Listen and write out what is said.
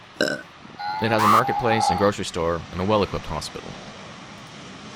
It has a market place and grocery store, and a well-equipped hospital.